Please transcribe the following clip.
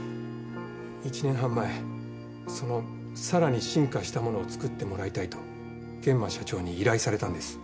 １年半前その更に進化したものを作ってもらいたいと諫間社長に依頼されたんです。